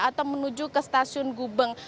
atau menuju ke stasiun gubeng